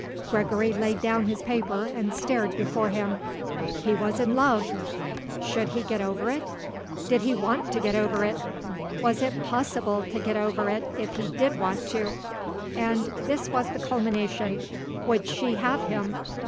Gregory laid down his paper and stared before him. He was in love. Should he get over it? Did he want to get over it? Was it possible to get over it if he did want to? And, this was the culmination, would she have him?